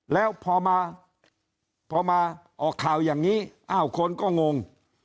แล้วพอมาพอมาออกข่าวอย่างนี้อ้าวคนก็งง